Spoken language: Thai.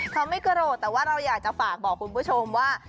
เขาไม่โกรธแต่ว่าเราอยากจะฝากบอกคุณผู้ชมว่า